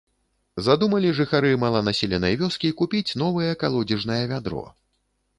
Задумалі жыхары маланаселенай вёскі купіць новае калодзежнае вядро.